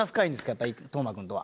やっぱり斗真君とは。